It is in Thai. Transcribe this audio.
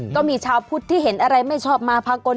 ก็มีชาวพุทธที่เห็นอะไรไม่ชอบมาพากล